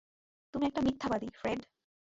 তুমি একটা মিথ্যাবাদী, ফ্রেড।